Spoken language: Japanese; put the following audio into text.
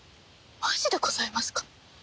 マジでございますか？